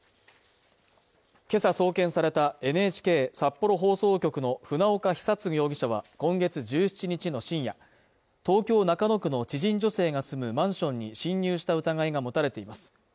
けさ送検されたＮＨＫ札幌放送局の船岡久嗣容疑者は、今月１７日の深夜東京・中野区の知人女性が住むマンションに侵入した疑いが持たれています。